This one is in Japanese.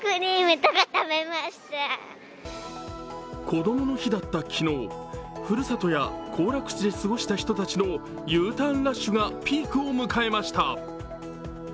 こどもの日だった昨日、ふるさとや行楽地で過ごした人たちのＵターンラッシュがピークを迎えました。